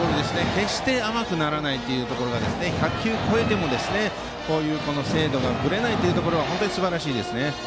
決して甘くならないというところが１００球を超えても精度がぶれないところは本当にすばらしいです。